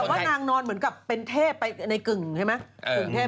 แต่ว่านางนอนเหมือนกับเป็นเทพไปในกึ่งใช่ไหม